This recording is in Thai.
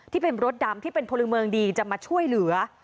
ที่เป็นรถดำที่เป็นพลเมืองดีจะมาช่วยเหลือ